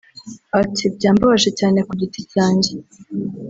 Ati "Byambabaje cyane ku giti cyanjye